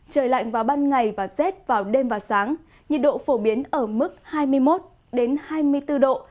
trời lạnh vào ban ngày và rét vào đêm và sáng nhiệt độ phổ biến ở mức hai mươi một hai mươi bốn độ